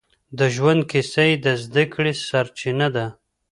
د ژوند کيسه يې د زده کړې سرچينه ده.